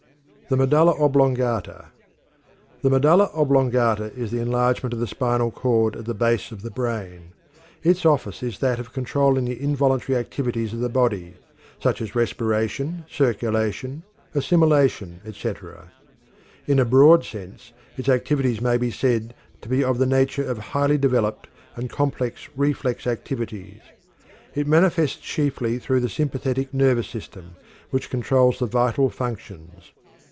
The Medulla Oblongata. The medulla oblongata is an enlargement of the spinal cord at the base of the brain. Its office is that of controlling the involuntary activities of the body, such as respiration, circulation, assimilation, etc. In a broad sense, its activities may be said to be of the nature of highly developed and complex reflex activities. It manifests chiefly through the sympathetic nervous system which controls the vital functions.